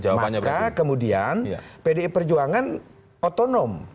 maka kemudian pdi perjuangan otonom